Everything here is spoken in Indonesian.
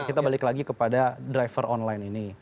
kita balik lagi kepada driver online ini